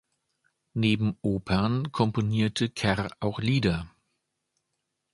Neben Opern komponierte Kerr auch Lieder.